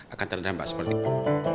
akan terdampak seperti ini